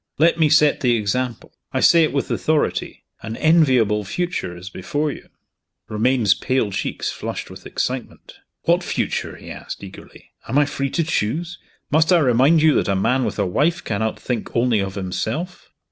Let me set the example. I say it with authority; an enviable future is before you." Romayne's pale cheeks flushed with excitement. "What future?" he asked, eagerly. "Am I free to choose? Must I remind you that a man with a wife cannot think only of himself?"